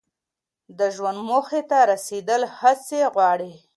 د ژوند موخې ته رسیدل هڅې غواړي.